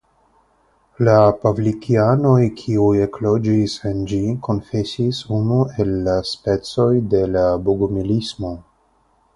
La Pavlikianoj kiuj ekloĝis en ĝi konfesis unu el la specoj de la Bogumilismo.